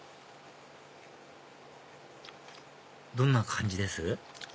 どんな感じです？